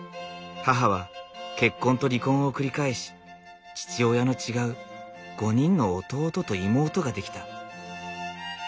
母は結婚と離婚を繰り返し父親の違う５人の弟と妹ができた。